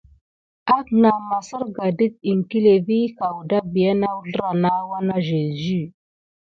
Aknah maserga det iŋklé vi kawda bia uzrlah na uwa na yezu.